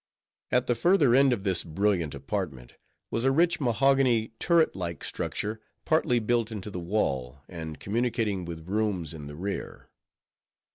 At the further end of this brilliant apartment, was a rich mahogany turret like structure, partly built into the wall, and communicating with rooms in the rear.